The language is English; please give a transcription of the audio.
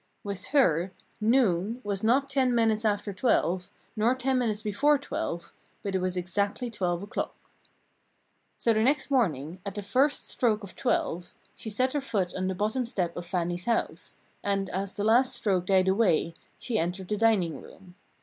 With her, noon was not ten minutes after twelve, nor ten minutes before twelve, but it was exactly twelve o'clock. So the next morning, at the first stroke of twelve, she set her foot on the bottom step of Fannie's house, and, as the last stroke died away, she entered the dining room.